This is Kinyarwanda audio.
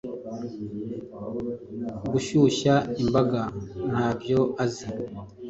gushyushya imbaga" ntabyo azi,